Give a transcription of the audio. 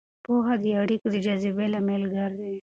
پوهه د اړیکو د جذبې لامل ګرځي.